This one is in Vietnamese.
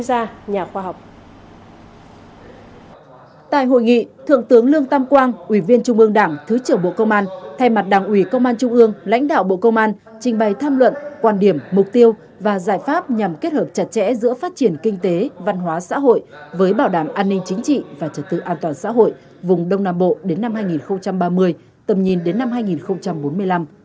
thủ tướng lương tam quang ủy viên trung ương đảng thứ trưởng bộ công an thay mặt đảng ủy công an trung ương lãnh đạo bộ công an trình bày tham luận quan điểm mục tiêu và giải pháp nhằm kết hợp chặt chẽ giữa phát triển kinh tế văn hóa xã hội với bảo đảm an ninh chính trị và trật tự an toàn xã hội vùng đông nam bộ đến năm hai nghìn ba mươi tầm nhìn đến năm hai nghìn bốn mươi năm